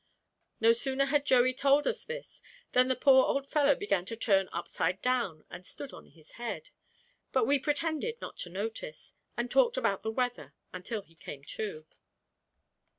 No sooner had Joey told us this than the poor old fellow began to turn upside down and stood on his head; but we pretended not to notice, and talked about the weather until he came to.